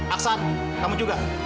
aksan kamu juga